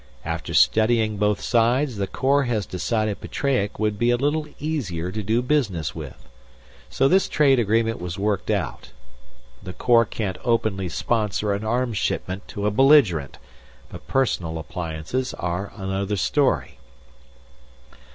After studying both sides, the Corps has decided Petreac would be a little easier to do business with. So this trade agreement was worked out. The Corps can't openly sponsor an arms shipment to a belligerent. But personal appliances are another story."